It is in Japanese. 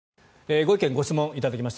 ご意見・ご質問頂きました。